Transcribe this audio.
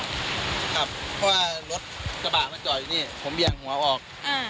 ครับเพราะว่ารถจะบากมาจออยู่นี่ผมเบี่ยงหัวออก